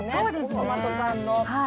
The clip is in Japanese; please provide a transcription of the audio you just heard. トマト缶の。